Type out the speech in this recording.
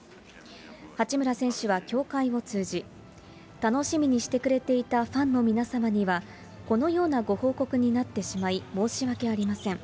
八村選手は協会を通じ、楽しみにしてくれていたファンの皆様には、このようなご報告になってしまい、申し訳ありません。